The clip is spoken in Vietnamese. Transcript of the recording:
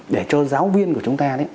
để cho giáo viên của chúng ta